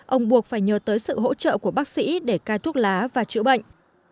ông buộc phải nhờ tới sự hỗ trợ của bác sĩ để cai thuốc lá và chữa bệnh